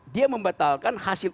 dia membatalkan hasil